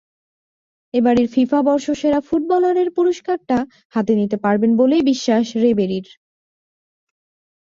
এবারের ফিফা বর্ষসেরা ফুটবলারের পুরস্কারটা হাতে নিতে পারবেন বলেই বিশ্বাস রিবেরির।